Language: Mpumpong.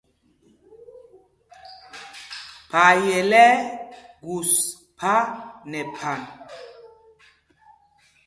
Phayel ɛ́ ɛ́ gus phā nɛ phan.